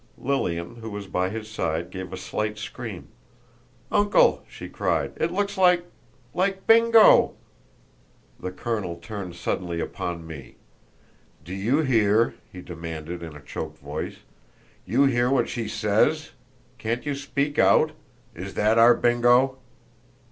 Lilian, who was by his side, gave a slight scream. "Uncle," she cried, "it looks like—like Bingo!" The colonel turned suddenly upon me. "Do you hear?" he demanded, in a choked voice. "You hear what she says? Can't you speak out? Is that our Bingo?"